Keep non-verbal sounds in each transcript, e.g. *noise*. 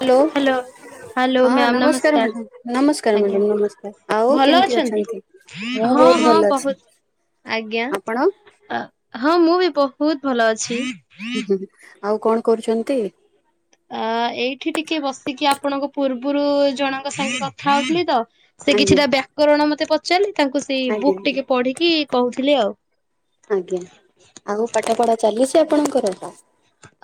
Hello hello ହଁ ma'am ନମସ୍କାର madam ନମସ୍କାର ଆଜ୍ଞା ମାଡାମ୍ ନମସ୍କାର ଆଉ କେମିତି ଅଛନ୍ତି? ମୁଁ ହଁ ବହୁତ ହଁ ଭଲ ଅଛି। ଆଜ୍ଞା ଆପଣ ଅ ହଁ ମୁଁ ବି ବହୁତ୍ ଭଲ ଅଛି। ହୁଁ ହୁଁ ଆଉ କଣ କରୁଛନ୍ତି। ଆ ଏଇଠି ଟିକେ ବସିକି ଆପଣଙ୍କ ପୂର୍ବରୁ ଜଣଙ୍କ ସାଙ୍ଗେ କଥା ହଉଥିଲି ତ ସେ ଆଜ୍ଞା କିଛିଟା ବ୍ୟାକରଣ ମତେ ପଚାରିଲି ତାଙ୍କୁ ସେଇ ଆଜ୍ଞା ବୁକ୍ ଟିକେ ପଢିକି କହୁଥିଲି ଆଉ। ଆଜ୍ଞା ଆଉ ପାଠ ପଢା ଚାଲିଛି ଆପଣଙ୍କର ବା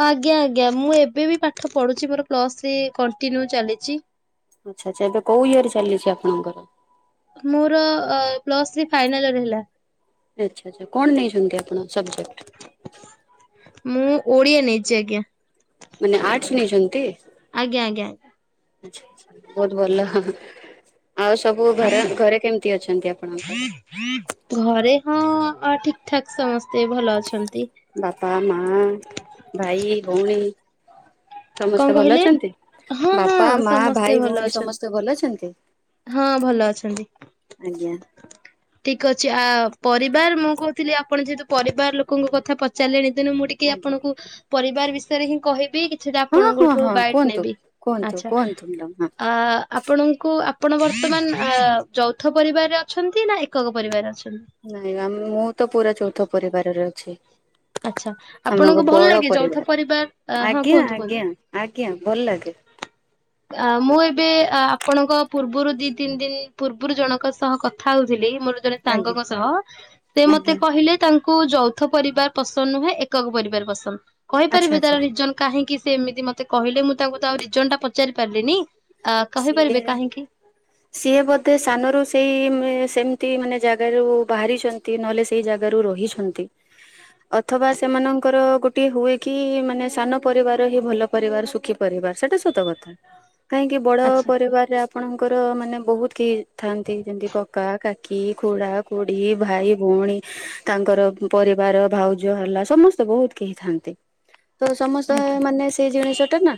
ଆଜ୍ଞା ଆଜ୍ଞା ମୁଁ ଏବେ ବି ପାଠ ପଢୁଛି ମୋର ପ୍ଲସ ଥ୍ରୀ କଣ୍ଟିନ୍ୟୁ ଚାଲିଛି। ଆଚ୍ଛା ଆଚ୍ଛା ଏବେ କଉ ଇଏରେ ଚାଲିଛି ଆପଣଙ୍କର। ମୋର ଅ ପ୍ଲସ ଥ୍ରୀ ଫାଇନାଲ ଇୟର ହେଲା। ଆଚ୍ଛା ଆଚ୍ଛା କଣ ନେଇଛନ୍ତି ଆପଣ ସବଜେକ୍ଟ? ମୁଁ ଓଡିଆ ନେଇଛି ଆଜ୍ଞା ମାନେ ଆର୍ଟସ୍ ନେଇଛନ୍ତି। ଆଜ୍ଞା ଆଜ୍ଞା। ଆଚ୍ଛା ଆଚ୍ଛା ବହୁତ ଭଲ ଆଉ ସବୁ ଘର ଘରେ କେମିତି ଅଛନ୍ତି ଆପଣଙ୍କର? ଘରେ ହଁ ଠିକ୍ ଠାକ୍ ସମସ୍ତେ ଭଲ ଅଛନ୍ତି। ବାପା ମା ଭାଇ ଭଉଣୀ କଣ ସମସ୍ତେ ଭଲ କହିଲେ? ଅଛନ୍ତି। ହଁ ହଁ ବାପା ମା ସମସ୍ତେ ଭାଇ ଭଲ ଭଉଣୀ ଅଛନ୍ତି। ସମସ୍ତେ ଭଲ ଅଛନ୍ତି। ହଁ ଭଲ ଅଛନ୍ତି। ଆଜ୍ଞା। ଠିକ ଅଛି ଆ ପରିବାର ମୁଁ କହୁଥିଲି ଆପଣ ଯେହେତୁ ପରିବାର ଲୋକଙ୍କ କଥା ପଚ ଚାଲେଣି ତେନୁ ମୁଁ ଟିକେ ଆଜ୍ଞା ଆପଣଙ୍କୁ ପରିବାର ବିଷୟରେ ହିଁ କହିବି କିଛିଟା ହଁ ହଁ ଆପଣଙ୍କଠୁ ହଁ ବାଇକ୍ କୁହନ୍ତୁ ନେବି କୁହନ୍ତୁ ଆଚ୍ଛା କୁହନ୍ତୁ ମ୍ୟାଡ଼ାମ ହଁ। ଆ ଆପଣଙ୍କୁ ଆପଣ ବର୍ତ୍ତମାନ ଯୌଥ ପରିବାରରେ ଅଛନ୍ତି। ନା ଏକକ ପରିବାର ଅଛନ୍ତି। ନାଇଁ ବା ମୁଁ ତ ପୁରା ଚଉନ୍ଧ ପରିବାରରେ ଅଛି। ଆଚ୍ଛା ଆପଣଙ୍କୁ ଆମଙ୍କ ଭଲ ବଡ ଲାଗେ ଯୌଥ ପରିବାର ପରିବାର ହଁ ଆଜ୍ଞା କୁହନ୍ତୁ ଆଜ୍ଞା ଆଜ୍ଞା ଭଲ ଲାଗେ। ହ ଅ ମୁଁ ଏବେ ଆପଣଙ୍କ ପୂର୍ବରୁ ଦି ତିନି ଦିନ ପୂର୍ବରୁ ଜଣଙ୍କ ସହ କଥା ହଉଥିଲି ମୋର ଜଣେ ଆଜ୍ଞା ସାଙ୍ଗଙ୍କ ସହ ସେ ମତେ ଆଜ୍ଞା କହିଲେ ତାଙ୍କୁ ଯୌଥ ପରିବାର ପସନ୍ଦ ନୁହେଁ ଏକକ ପରିବାର ପସନ୍ଦ। ଆଚ୍ଛା କହିପାରିବି ଆଚ୍ଛା ତାର ରିଜ କାହିଁକି ସେ ଏମିତି ମତେ କହିଲ ମୁଁ ତାଙ୍କୁ ଆଉ ରିଜନଟା ପଚାରି ପାରିଲିିନି। ସିଏ ସିଏ ବୋଧେ ସାନରୁ ସେଇ ମ ସେମିତି ମାନେ ଜାଗାରୁ ବାହାରିଛନ୍ତି ନ୍ତି ନହେଲେ ସେଇ ଜାଗାରୁ ରହିଛନ୍ତି ଅଥବା ସେମାନଙ୍କର ଗୋଟିଏ ହୁଏ କି ମାନେ ସାନ ପରିବାର ହିଁ ଭଲ ପରିବାର ସୁଖୀ ପରିବାର ସେଇଟା ସତ କଥା। କି ବଡ଼ ଆଚ୍ଛା ପରିବାରରେ ଆପ ଆପଣଙ୍କର ମାନେ ବହୁତ କି ଥାଆନ୍ତି ଯେମତି କକା, କାକି, ଖୁଡ଼ା, ଖୁ ଏ ଭାଇ ଭଉଣୀ ତାଙ୍କର ପରିବାର ଭାଉଜ ହେଲା ସମସ୍ତେ ବହୁତ କେହି ଥାନ୍ତି। ତ ସମସ୍ତେ ମାନେ ସେଇ ଜିନିଷ ଟା ନା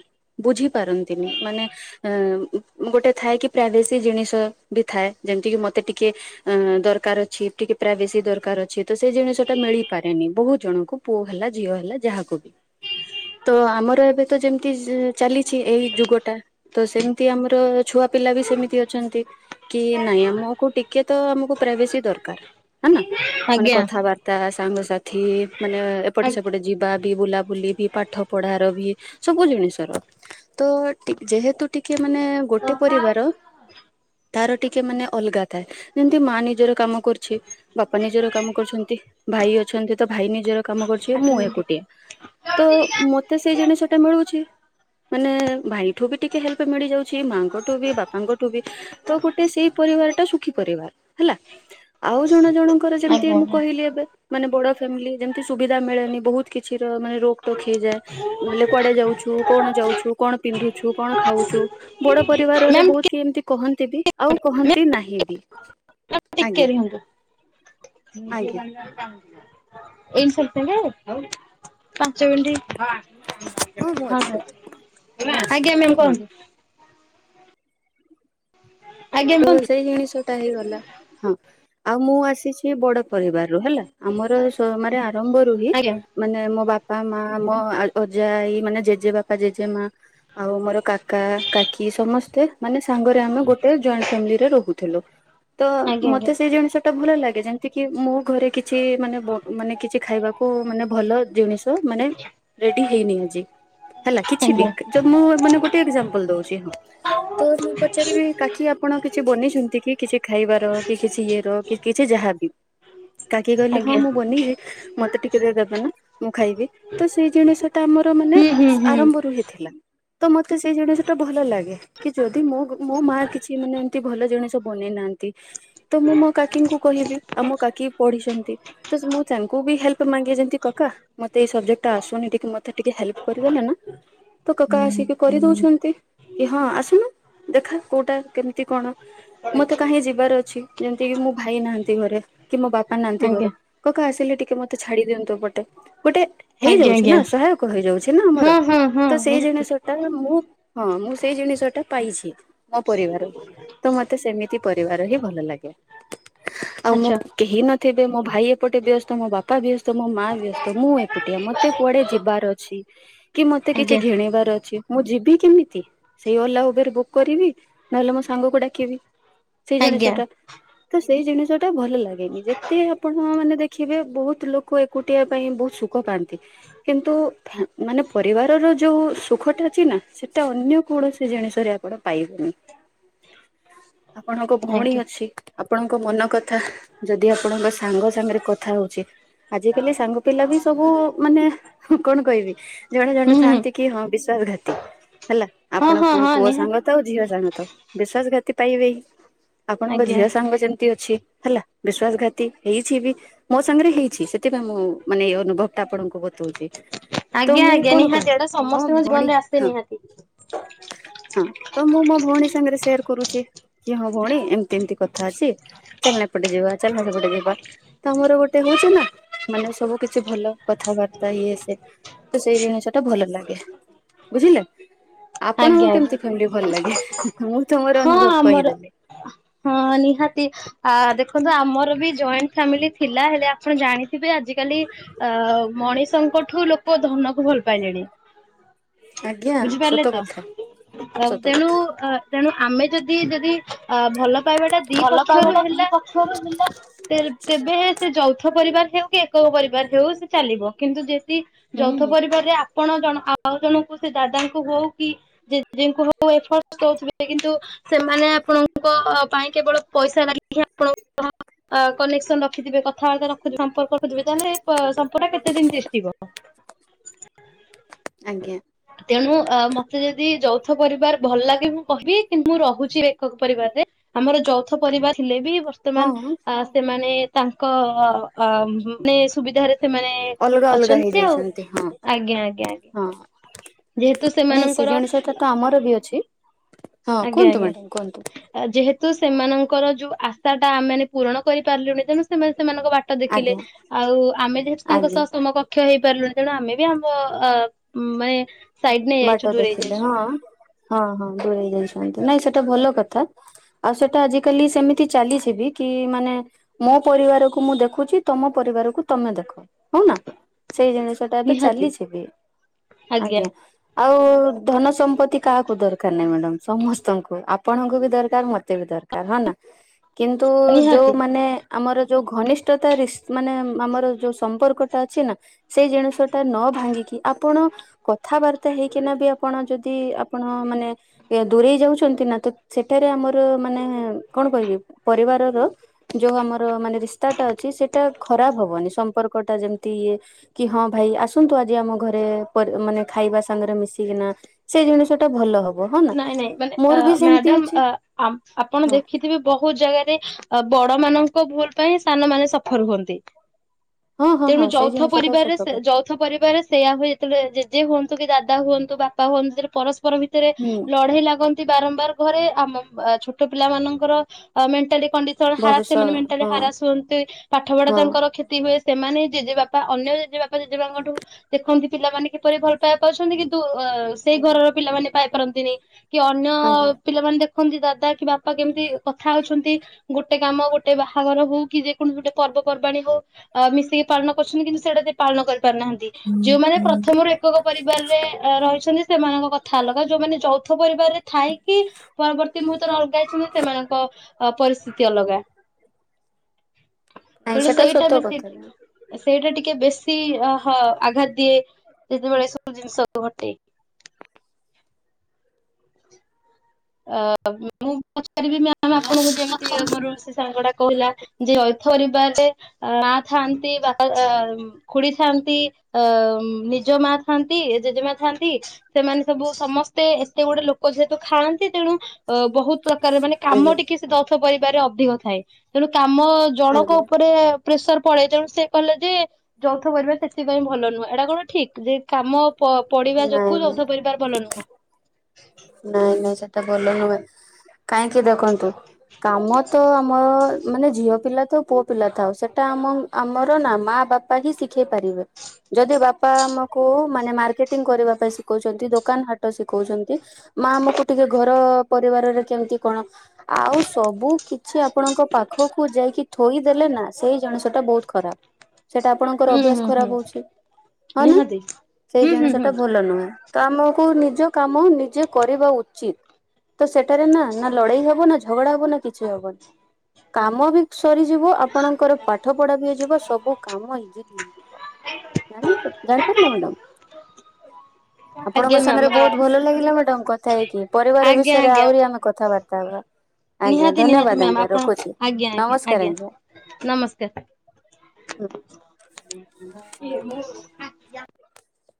ବୁଝି ପାରନ୍ତିନି ମାନେ ଗୋଟେ ଥାଏ କି ପ୍ରାଇଭସି ଜିନିଷ ବି ଥାଏ ଯେମିତି କିି ମତେ ଟିକେ ଅ ଦରକାର ଅଛି ଟିକେ ପ୍ରାଇବେସି ଦରକାର ଅଛି ତ ସେଇ ଜିନିଷ ଟା ମିଳିପାରେନି ବହୁତ ଜଣଙ୍କୁ। ପୁଅ ହେଲା ଝିଅ ହେଲା ଯାହାକୁ ବି ତ ଆମର ଏବେ ତ ଯେମତି ଚାଲିଛି ଏହି ଯୁଗ ଟା ତ ସେମିତି ଆମର ଛୁଆ ପିଲା ବି ସେମିତି ଅଛନ୍ତି କି ନାଇଁ ଆମକୁ ଟିକେ ତ ଆମକୁ ପ୍ରାଇଭେସି ଦରକାର। ନା ନା ମାନେ ଆଜ୍ଞା କଥାବାର୍ତ୍ତା ତା ସାଙ୍ଗସାଥି ମାନେ ଏପଟେ ସେପଟେ ଆଜ୍ଞା। ଯିବା ବି ବୁଲାବୁଲି ବି ପାଠ ପଢ଼ାର ବି ସବୁ ଜିନିଷର ତ ଟି ଯେହେତୁ ଟିକେ ମାନେ ଗୋଟେ ପରିବାର ତାର ଟିକେ ମାନେ ଅଲଗା ଥାଏ ଯେମିତି ମା ନିଜର କାମ କରୁଛି ବାପା ନିଜର କାମ କରୁଛନ୍ତି। ଭାଇ ଅଛନ୍ତି ତ ଭାଇ ନିଜର କାମ କରୁଛି। ଆଠ ମୁଁ ମିନିଟ ଏକୁଟିଆ। ତ ମତେ ସେଇ ଜିନିଷ ଟା ମିଳୁଛି ମାନେ ଭାଇଠୁ ବି ଟିକେ ଟିକେ ହେଲ୍ପ ମିଳିଯାଉଛି ମାଆଙ୍କଠୁ ବି, ବାପାଙ୍କଠୁ ବି। ତ ଗୋଟେ ସେଇ ପରିବାର ଟା ସୁଖୀ ପରିବାର ହେଲା। ଆଉ ଜଣେ ଜଣ ର ଯେମତି ଆଜ୍ଞା ମୁଁ ଆଜ୍ଞା କହିଲି ଏବେ ମାନେ ବଡ ଫାମିଲି ଯେମିତି ସୁବିଧା ମିଳେନି ବହୁତ କିଛି ର ମାନେ ରୋକ ଟୋକ ହେଇଯାଏ ନହେଲେ କୁଆଡେ ଯାଉଛୁ କଣ ଯାଉଛୁ କଣ ପିନ୍ଧୁଛୁ? କ ଖାଉଛୁ ବଡ ପରିବାରରେ ମ୍ୟାମ ଟିକେ ବହୁତ କି ଏମିତି କହନ୍ତି ବି ଆଉ କହନ୍ତି ନାହିଁ ବି। *unintelligible* ଟିକେ ଆଜ୍ଞା ରୁହନ୍ତୁ। ଆଜ୍ଞା। *inaudible* ଏଇି ସାତରେ ପାଞ୍ଚ ମିନଟ ହଁ ହଁ ମୁଁ ଅଛି ମୁଁ ଅଛି ଆଜ୍ଞା ମ୍ୟାମ କୁହନ୍ତୁ। ଆଜ୍ଞା ତ କୁହନ୍ତୁ ସେଇ ଜିନିଷ ହେଇଗଲା ହଁ ଆଉ ମୁଁ ଆସିଛି ବଡ ପରିବାରରୁ ହେଲା ଆମର ସୋମାରେ ଆ *unintelligible* ରୁହି ଆଜ୍ଞା ମାନେ ମୋ ବାପା, ମା, ମୋ ଆ ଅଜା, ଆଇ ମାନେ ଜେଜେ ବାପା, ଜେଜେ ମା ଆଉ ମୋର କାକା କାକି ସମସ୍ତେ ମାନେ ସାଙ୍ଗରେ ଆମେ ଗୋଟେ ଜଏଣ୍ଟ ଫ୍ୟାମିଲିରେ ରହୁଥିଲୁ ତ ଆଜ୍ଞା ମତେ ସେଇ ଜଣେ ଭଲ ଲାଗେ ଯେମତି କି ମୁ ଘରେ କିଛି ମାନେ ବୋ ମାନେ କିଛି ଖାଇବା କୁ ମାନେ ଭଲ ଜିନିଷ ମାନେ ରେଡି ହେଇନି ଆଜି, ହେଲା କିଛି ବି ଆଜ୍ଞା ଜ ମୁଁ ମାନେ ଗୋଟେ ଏକ୍ଜାମ୍ପଲ ଦଉଛି, ହଁ ତ ମୁଁ ପଚାରିବି କାକି ଆପଣ କିଛି ବନେଇଛନ୍ତି କି? କିଛି ଖାଇବାର,? କି କିଛି ଇଏ ର, କି କିଛି ଯାହାବି। କାକି ଆଜ୍ଞା କହିଲେ ହଁ ଆଜ୍ଞା ମୁଁ ବନେଇଛି, ମତେ ଟିକେ ଦେବେ ନା ମୁଁ ଖାଇବି। ତ ସେଇ ଜିନିଷ ତ ଆମର ମାନେ, ହୁଁ ହୁଁ ହୁଁ ଆରମ୍ଭରୁ ହେ ଥିଲା ତ ମତେ ସେଇ ଜିନିଷ ଟା ଭଲ ଲାଗେ କି ଯଦି ମୋ ମୋ ମା କିଛି ମାନେ ଏମିତି ଭଲ ଜଣେସ ବନେଇ ନାହାନ୍ତି। ତ ମୁଁ ମୋ କାକିଙ୍କୁ କହିବି, ଆମ କାକି ପଢିଛନ୍ତି। ତ ମୁଁ ତାଙ୍କୁ ବି ହେଲ୍ପ ମାଗେ, ଯେମତି କକା ମତେ ଏଇ ସବଜେକ୍ଟ ଟା ଆସୁନି ଟିକେ ମତେ ଟିକେ ହେଲ୍ପ କରିଦେଲେ ନା ତ କକା ଆସିକି କରି ଦଉଛନ୍ତି। କି ହଁ ଆସୁନୁ! ଦେଖା କୋଉଟା କେମିତି କଣ, ମତେ କାହିଁ ଯିବାର ଅଛି। ଯେମିତି କି ମୋ ଭାଇ ନାହାଁନ୍ତି ଘରେ, କି ମୋ ବାପା ନାହାଁନ୍ତି ଘରେ। ଆଜ୍ଞା କକା ଆସିଲେ ଟିକେ ମତେ ଛାଡି ଦିଅନ୍ତୁ ଏପଟେ। ଗୋଟେ ଆଜ୍ଞା ହେଇଯାଉଛି ଆଜ୍ଞା ନା, ସହାୟକ ହେଇଯାଉଛି ନା ହଁ ଆମର। ହଁ ହଁ ତ ସେଇ ନିହାତି ଜିନିଷ ତ, ମୁଁ, ହଁ, ମୁଁ ସେଇ ଜିଣିଷ ଟା ପାଇଛି ମୋ ପରିବାରରୁ। ତ ମତେ ସେମିତି ପରିବାର ହିଁ, ଭଲ ଲାଗେ। ଆଉ ମୁଁ ଆଚ୍ଛା କେହି ନଥିବେ, ମୋ ଭାଇ ଏପଟେ ବ୍ୟସ୍ତ। ମୋ ବାପା ବ୍ୟସ୍ତ, ମୋ ମାଁ ବ୍ୟସ୍ତ, ମୁଁ ଏକୁଟିଆ ମତେ କୁଆଡେ ଯିବାର ଅଛି। ହ କି ମତେ କିଛି ଆଜ୍ଞା ଘିଣେଇିବାର ଅଛି। ମୁଁ ଯିବି କିମିତି? ସେଇ ଓଲା ଉବେର ବୁକ୍ କରିବି, ନହେଲେ ମୋ ସା ସାଙ୍ଗକୁ ଡାକିବି। ସେଇ ଆଜ୍ଞା ଜିଣିଷଟା ତ ସେଇ ଜିନିଷଟା ଭଲ ଲାଗ୍ ଏମି ଯେତେ, ଆପଣ ମାନେ ଦେଖିବେ ବହୁତ ଲୋକ ଏକ୍ ଏକୁଟିବା ପାଇଁ, ବହୁତ ସୁଖ ପାଆନ୍ତି। କିନ୍ତୁ ଫ୍ୟା ମାନେ ପରିବାରର ଯେଉ ସୁଖଟା ଅଚି ନା, ସେଇଟା ଅନ୍ୟ କୌଣସି ଜିଣିଷରେ ଆପଣ ପାଇବେନି। ଆପଣଙ୍କ ଭଉଣୀ ଆଜ୍ଞା ଅଛି। ଆପଣଙ୍କ ମନ କଥା, ଯଦି ଆପଣଙ୍କ ସାଙ୍ଗ ସାଙ୍ଗରେ କଥା ହଉଛି। ଆଜିକାଲି ସାଙ୍ଗ ପିଲା ବି ସବୁ ମାନେ କଣ କହିବି? ଜଣେ ଜଣେ ହୁଁ ହୁଁ ଥାଆନ୍ତି କି ହଁ, ବିଶ୍ଵାସଘାତି ହେଲା। ହଁ ଆପଣ ହଁ ପୁଅ ହଁ ପୁଅ ସାଙ୍ଗ ନିହାତି ତ, ଝିଅ ସାଙ୍ଗ ତ ବିଶ୍ବାସ ଘାତି ପାଇବେ ହିଁ। ଆପଣଙ୍କ ଆଜ୍ଞା ଝିଅ ସାଙ୍ଗ ଯେମ୍ ତି ଅଛି ହେଲା, ବିଶ୍ଵାସ ଘାତି ହେଇଛି ବି। ମୋ ସାଙ୍ଗରେ ହେଇଛି ସେଥିପାଇଁ ମୁଁ, ମାନେ ଅନୁଭବ ଟା ଆପଣଙ୍କୁ ବତଉଛି, ତ ଆଜ୍ଞା ମୁଁ ଆଜ୍ଞା କଣ ନିହାତି କହେ? ଏଇଟା ମୋ ସମସ୍ତଙ୍କ ଭଉଣୀ ଜୀବନରେ ଆସେ ହଁ ନିହାତି ହଁ, ତ ମୁଁ ମୋ ଭଉଣୀ ସେ ସାଙ୍ଗରେ ସେୟାର କରୁଛି। କି ହଁ, ଭଉଣୀ ଏମତି ଏମତି କଥା ଅଛି। ଚାଲ ନା ଏପଟେ ଯିବା, ଚାଲ ନା ସେପଟେ ଯିବା। ତ ଆମର ଗୋଟେ ହଉଛି ନା, ମାନେ ସବୁ କିଛି ଭଲ କଥାବାର୍ତ୍ତା ଇଏ ସେ ତ, ସେଇ ଜିଣିଷ ଟା ଭଲ ଲାଗେ, ବୁଝିଲେ! ଆପଣଙ୍କୁ ଆଜ୍ଞା ଆଜ୍ଞା କେମିତି ଫ୍ୟାମିଲି ଭଲ ଲାଗେ? ମୁଁ ତ ମୁଁ ହଁ, ଆମର ହଁ, ନିହାତି ଆ ଦେଖନ୍ତୁ ଆମର ବି ଜଏଣ୍ଟ ଫ୍ୟାମିଲି ଥିଲା, ହେଲେ ଆପଣ ଜାଣିଥିବେ ଆଜି କାଲି ଆ ମଣିଷଙ୍କଠୁ, ଲୋକ ଧନକୁ ଭଲ ପାଇଲେଣି। ଆଜ୍ଞା ବୁଝିପାରିଲେ ସତ ତ! କଥା ସତ ତେଣୁ କଥା। ତେଣୁ ଆମେ ଯଦି ଯଦି ଆ ଭଲ ପାଇବାଟା ଦି ଭଲ ପାଇବା ପକ୍ଷରୁ ଟା ଦି ହେଲା। ପକ୍ଷରୁ ମିଳେ। ତେ-ତେବେ ସେ ଯୌଥ ପରିବାର ହେଉ କି, ଏକକ ପରିବାର ହେଉ ସେ ଚାଲିବ। କିନ୍ତୁ ଯେ ତି, ଯୌଥ ହୁଁ ପରିବାରରେ ଆପଣ ଜଣ ଆ ଆଉ ଜଣଙ୍କୁ ସେ ଦାଦାଙ୍କୁ ହଉ କି ଜେଜିଙ୍କୁ ହଉ, ଏଫର୍ ତ ଦଉଥି କିନ୍ତୁ, ସେମାନେ ଆପଣଙ୍କ ପାଇଁ କେବଳ ପଇସା *inaudible* ହି ଆପଣଙ୍କ କନେକ୍ସନ ରଖିଥିବେ, କଥାବାର୍ତ୍ତା ରଖୁଥୀ, ସମ୍ପର୍କ ରଖୁଥିବେ, ତା, ହେଲେ ସମ୍ପର୍କଟା କେତେ ଦିନ ତିଷ୍ଠିବ? ହଁ ଆଜ୍ଞା। ତେଣୁ ଅ ମତେ ଯଦି ଯୌଥ ପରିବାର ଭଲ ଲାଗିବ। କହିବି କିନ୍ ମୁଁ ରହୁଛି ଏକକ ପରିବାରରେ, ଆମର ଯୌଥ ପରିବାର ଥିଲେ ବି ହଁ ବର୍ତ୍ତମାନ ଆ ସେମାନେ ତାଙ୍କ ଅ-ଅ ମାନେ ସୁବିଧାରେ ସେମାନେ ଅଲଗା ଅଲଗା ଅଛନ୍ତି ଆଉ, ହେଇଯାଇଛନ୍ତି ହଁ ଆଜ୍ଞା ଆଜ୍ଞା ଆଜ୍ଞା। ହଁ ଯେହେତୁ ନାଇଁ ସେ ସେମାନଙ୍କର, ଜିନିଷଟା ତ ଆମର ବି ଅଛି ହଁ ଆଜ୍ଞା କୁହନ୍ତୁ ଆଜ୍ଞା। ମ୍ୟାଡ଼ାମ କୁହନ୍ତୁ। ଯେହେତୁ ସେମାନଙ୍କର ଯୋଉ ଆଶା ଟା ଆମେମାନେ ପୂରଣ କରିପାରିଲୁଣି, ତେଣୁ ସେମାନେ ସେମାନଙ୍କ ବାଟ୍ ଦେଖିଲେ ଆଜ୍ଞା ଆଉ ଆମେ ଯେହେତୁ ତାଙ୍କ ଆଜ୍ଞା ସହ ସମକ କ୍ଷ ହେଇପାରିଲୁଣି ତେଣୁ ଆମେ ବି ଆମ ମାନେ ସାଇଡ ନେଇ ବାଟ ଯାଇଚୁ ଦୂରେଇ ଦେଖିଲେ ହଁ ଯାଇଚୁ। ହଁ ହଁ ଦୂରେଇ ଯାଇଚନ୍ତି ନାଇଁ ସେଇଟା ଭଲ କଥା। ଆଉ ସେଟା ଆଜିିକାଲି ସେମିତି ଚାଲିଚି ବି କି ମାନେ ମୋ ପରିବାରକୁ ମୁଁ ଦେଖୁଚି ତମ ପରିବାରକୁ ତମେ ଦେଖ। ହଉ ନା ସେଇ ଜିନିଷ ସେଟା ଏବେ ନିହାତି ଚାଲିଚି ବି ଆଜ୍ଞା। ଆଉ ଧନ ସମ୍ପତ୍ତି କାହାକୁ ଦର କାର ନାଇଁ ମ୍ୟାଡ଼ାମ୍ ସମସ୍ତଙ୍କୁ ଆପଣଙ୍କୁ ବି ଦରକାର ମତେ ବି ଦରକାର। ହଁ ନା? କିନ୍ତୁ ନିହାତି ଯୋଉମାନେ ଆମର ଯୋଉ ଘନିଷ୍ଠତା ରି ମାନେ ଆମର ଯୋଉ ସମ୍ପର୍କଟା ଅଛି ନା ସେଇ ଜିନିଷ ଟା ନ ଭାଙ୍ଗିକି ଆପଣ କଥାବାର୍ତ୍ତା ହେଇକିନା ବି ଆପଣ ଯଦି ଆପଣ ମାନେ ଦୂରେଇ ଯାଉଚନ୍ତି ନା ତ ସେଠାରେ ଆମର ମାନେ କଣ କହିବି ପରିବାରର ଯୋଉ ଆମର ମାନେ ରିସ୍ତାଟା ଅଛି ସେଟା ଖରାପ ହବନି ସମ୍ପର୍କ ଟା ଯେମିତି ଇଏ କି ହଁ ଭାଇ ଆସନ୍ତୁ ଆଜି ଆମ ଘରେ ପର ମାନେ ଖାଇବା ସାଙ୍ଗରେ ମିଶିକିନା। ସେ ଜିନିଷ ଟା ଭଲ ହବ ହଁନା ନାଇଁ ନାଇଁ ମାନେ ଅ ମୋର ବି ସେମିତି ମ୍ୟାଡାମ ଅଛି। ଅ ଆ ଆପଣ ହଁ ଦେଖିଥିବେ ବହୁତ ଜାଗାରେ ବଡ ମାନଙ୍କ ଭୁଲ ପାଇଁ ସାନ ମାନ ସଫର ହୁଅନ୍ତି। ହଁ ହଁ ତେଣୁ ହଁ ସେଇ ଯୌଥ ଜିନିଷ ତ ସତ ପରିବାରରେ କଥା ଯୌଥ ପରିବାରରେ ସେଇଆ ହୁଏ ଯେତେବେଳେ ଜେଜେ ହୁଅନ୍ତୁ କି ଦାଦା ହୁଅନ୍ତୁ ବାପା ହୁଅନ୍ତୁ ଯେ ପରସ୍ପର ଭିତରେ ହୁଁ ଲଢ଼େଇ ଲାଗନ୍ତି ବାରମ୍ବାର ଘରେ ଆମ ଛୋଟ ପିଲାମାନଙ୍କର ମେଣ୍ଟାଲି କଣ୍ଡି *unintelligible* ହାରାସ ଭବିଷ୍ୟ ସେମାନେ ମେଣ୍ଟାଲି ହଁ ହାରାସ ହୁଅନ୍ତି ପାଠପଢା ହଁ ତାଙ୍କଙର କ୍ଷତି ହୁଏ। ସେମାନେ ଜେଜେ ବାପା ଅନ୍ୟ ଜେଜେ ବାପା ଜେଜେବାଙ୍କ ଠୁ ଦେଖନ୍ତି ପିଲାମାନେ କିପରି ଭଲ ପାଇବା ପାଉଛନ୍ତି କି ନ୍ତୁ ସେଇ ଆଜ୍ଞା ଘରର ପିଲାମାନେ ପାଇପାରନ୍ତିନି କି ଅନ୍ୟ ଆଜ୍ଞା ପିଲାମାନେ ଦେଖ ଖନ୍ତି ଦାଦା କି ବାପା କେମିତି କଥା ହଉଚନ୍ତି। ଗୋଟେ କାମ ଗୋଟେ ବାହାଘର ହଉ କି ଯେକୌଣସି ଗୋଟେ ପର୍ବପର୍ବାଣୀ ହଉ ଅ ମିଶିକି ପାଳନ କରୁଛନ୍ତି କିନ୍ତୁ ସେଇଟା ଯ ପାଳନ କରିପାରୁିନାହାନ୍ତି। ଯୋଉମାନେ ପ୍ରଥମରୁ ଏକକ ପରିବାରରେ ରହିଛନ୍ତି ସେମାନଙ୍କ କଥା ଅଲଗା ଯୋଉମାନେ ଚଉଥ ପରିବାରରେ ଥାଇକି ପରବର୍ତ୍ତୀ ମୁହୂର୍ତ୍ତରେ ଅଲଗ ହେଇଚନ୍ତି ସେମାନଙ୍କ ପରିସ୍ଥିତି ଅଲଗା। ନାଇଁ ତେଣୁ ସେଟା ସେଇଟା ସତ ବି କଥା ସେୀଠ ସେଇଟା ଟିକେ ବେଶୀ ଅହ ଆଘାତ ଦିଏ ଯେତେବେଳେ ସବୁ ଜିନିଷ ଘଟେ। ଅ ମୁଁ ପଚାରିବି ମ୍ୟାମ ଆପଣଙ୍କୁ ଯେମିତି ମୋର ସେ ସାଙ୍ଗ ଟା କହିଲା ଯେ ଅଇଥରିବାରରେ ମା ଥାଆନ୍ତି ବା ଖୁଡି ଥାନ୍ତି ଅ ନିଜ ମା ଥାଆନ୍ତି ଜେଜେମା ଥାଆନ୍ତି। ସେମାନେ ସବୁ ସମସ୍ତେ ଏତେ ଗୁଡେ ଲୋକ ଯେହେତୁ ଖାଆନ୍ତି ତେଣୁ ଅ ବହୁତ ପ୍ରକାର ମାନେ କାମ ଆଜ୍ଞା ଟିକେ ସେ ଦଥ ପରିବାରେ ଅଧିକ ଥାଏ। ତେଣୁ କାମ ଜଣଙ୍କ ଆଜ୍ଞା ଉପରେ ପ୍ରେସର ପଡେ। ତେଣୁ ସେ କହଲେ ଯେ ଯୌଥ ପରିବା ସେଥିପାଇଁ ଭଲ ନୁହେଁ। ଏଇଟା କଣ ଠିକ ଯେ କାମ ପଡିବା ନାଇଁ ଯୋଗୁଁ ନାଇଁ ଯୌଥ ପରିବାର ଭଲ ନୁହଁ। ନାଇଁ ନାଇଁ ସେଟା ଭଲନୁହେଁ। କାହିଁକି ଦେଖନ୍ତୁ କାମ ତ ଆମ ମାନେ ଝିଅ ପିଲା ତ ପୁଅ ପିଲା ଥାଉ ସେଟା ଆମ ଆମର ନା ମା ବାପା ହିଁ ଶିଖେଇ ପାରିବେ। ଯଦି ବାପା ଆମକୁ ମାନେ ମାର୍କେଟିଂ କରିବା ପାଇଁ ଶିଖଉଚନ୍ତି ଦୋକାନ ହାଟ ଶିଖଉଚନ୍ତି ମା ଆମକୁ ଟିକେ ଘର ପରିବାରରେ କେମତି କଣ ଆଉ ସବୁ କିଛି ଆପଣଙ୍କ ପାଖକୁ ଯାଇକି ଥୋଇଦେଲେ ନା ସେଇ ଜିନିଷ ଟା ବହୁତ ଖରାପ। ସେଇଟା ଆପଣଙ୍କର ହୁଁ ଅଭ୍ୟାସ ହୁଁ ହୁଁ ଖରାପ ହଉଚି। ହଁ ନା ନିହାତି ସେଇ ହୁଁ ହୁଁ ଜିନିଷ ହୁଁ। ଟା ଭଲ ନୁହେଁ। ତ ଆମକୁ ନିଜ କାମ ନି ନିଜେ କରିବା ଉଚିତ ତ ସେଠାରେ ନା ନା ଲଢେଇ ହବ ନା ଝଗଡା ହବ ନା କିଛି ହବନି। କାମ ବି ସରିଯିବ ଆପଣଙ୍କର ପାଠ ପଢା ବି ହେଇଯିବ ସବୁ କାମ ଇଜିଲି ହେଇଯିବ। ଜନିଲେତ ଜାଣିପାରିଲେ ମାଡମ୍। ଆପଣଙ୍କ ଆଜ୍ଞା ମ୍ୟାମ୍ ସାଙ୍ଗରେ ଆ ବହୁତ ଭଲ ଲାଗିଲା ମ୍ୟାଡାାମ କଥା ହେଇକି ପରିବାର ଆଜ୍ଞା ବିଷୟରେ ଆଜ୍ଞା ଆହୁରି ଆମେ କଥାବାର୍ତ୍ତା ହବା ଆଜ୍ଞା ନିହାତି ନିହାତି ଧନ୍ୟବାଦ ମ୍ୟାମ୍ ଆଜ୍ଞା ଆପଣ ରଖୁଛି ଆଜ୍ଞା ଆଜ୍ଞା ନମସ୍କାର ଆଜ୍ଞା। ନମସ୍କାର।